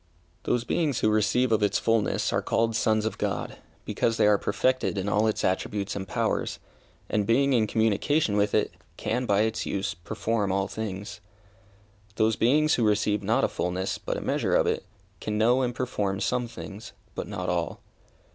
Those beings who receive of its fulness are called sons of God, because they are perfected in all its attributes and powers, and being in communication with it, can, by its use, perform all things. Those beings who receive not a fulness, but a measure of it, can know and perform some things, but not all.